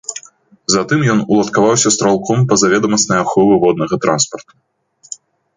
Затым ён уладкаваўся стралком пазаведамаснай аховы воднага транспарту.